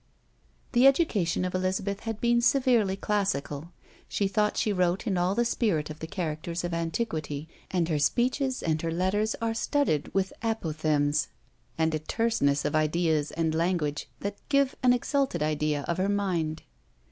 The education of Elizabeth had been severely classical; she thought and she wrote in all the spirit of the characters of antiquity; and her speeches and her letters are studded with apophthegms, and a terseness of ideas and language, that give an exalted idea of her mind.